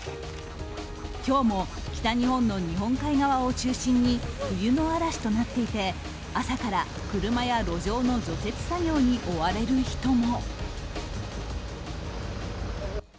今日も北日本の日本海側を中心に冬の嵐となっていて朝から、車や路上の除雪作業に追われる人も。